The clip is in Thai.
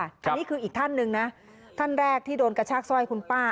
อันนี้คืออีกท่านหนึ่งนะท่านแรกที่โดนกระชากสร้อยคุณป้า